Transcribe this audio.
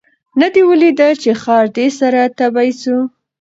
نه دي ولیده چي ښار دي سره تبۍ سو